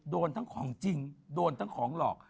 โดนทั้งของจริงโดนทั้งของหลอก